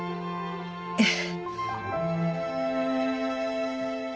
ええ。